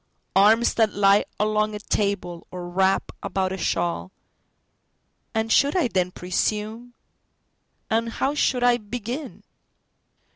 Arms that lie along a table, or wrap about a shawl. And should I then presume? And how should I begin?